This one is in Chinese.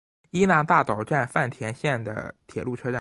伊那大岛站饭田线的铁路车站。